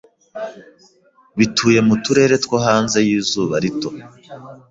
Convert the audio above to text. bituye mu turere two hanze y'izuba rito